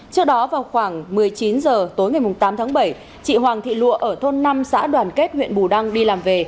trước đó vào khoảng một mươi chín h tối ngày tám tháng bảy chị hoàng thị lụa ở thôn năm xã đoàn kết huyện bù đăng đi làm về